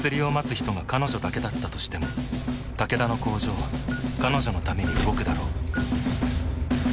人が彼女だけだったとしてもタケダの工場は彼女のために動くだろう